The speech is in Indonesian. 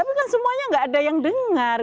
tapi kan semuanya gak ada yang dengar